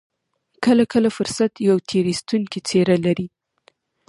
کله کله فرصت يوه تېر ايستونکې څېره لري.